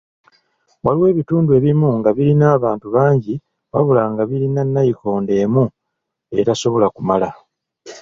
Waliwo ebitundu ebimu nga birina abantu bangi wabula nga birina nayikondo emu etasobola kumala.